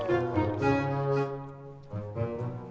ini bukan mimpi